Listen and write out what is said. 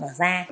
thứ nhất là da